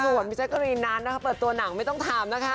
ส่วนพี่แจ๊กกะรีนนั้นนะคะเปิดตัวหนังไม่ต้องถามนะคะ